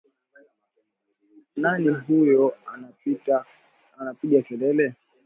Nani huyo anapiga kelele?